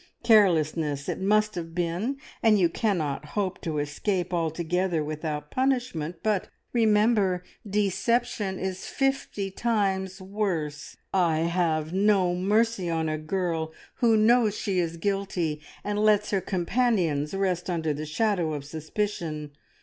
Carelessness it must have been, and you cannot hope to escape altogether without punishment, but remember deception is fifty times worse. I have no mercy on a girl who knows she is guilty, and lets her companions rest under the shadow of suspicion.